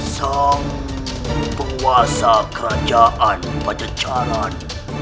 sang penguasa kerajaan pada jaran